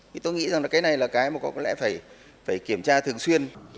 thì tôi nghĩ rằng là cái này là cái mà có lẽ phải kiểm tra thường xuyên